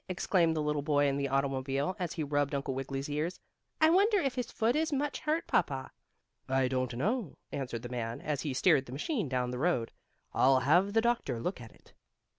exclaimed the little boy in the automobile, as he rubbed Uncle Wiggily's ears. "I wonder if his foot is much hurt, papa?" "I don't know," answered the man, as he steered the machine down the road. "I'll have the doctor look at it."